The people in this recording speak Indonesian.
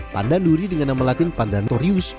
pandan duri dengan nama latin pandan torius